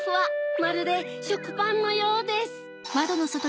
まるでしょくパンのようです。